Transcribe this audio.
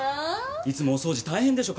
いつもお掃除大変でしょ？